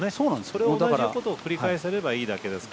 それを同じことを繰り返せればいいだけですから。